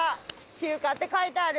「中華」って書いてある。